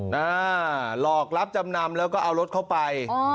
หลอกรับจำนำแล้วก็เอารถเข้าไป